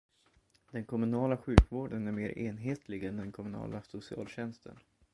Den kommunala sjukvården är mer enhetlig än den kommunala socialtjänsten.